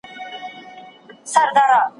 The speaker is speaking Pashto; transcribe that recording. زه خوشحاله ژوند کوم.